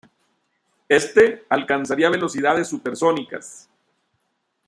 Éste alcanzaría velocidades supersónicas.